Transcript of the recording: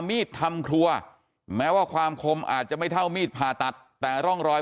มีดทำครัวแม้ว่าความคมอาจจะไม่เท่ามีดผ่าตัดแต่ร่องรอย